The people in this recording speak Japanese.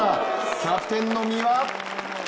キャプテンの三輪。